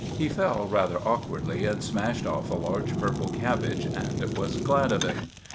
He fell rather awkwardly and smashed off a large purple cabbage, and was glad of it.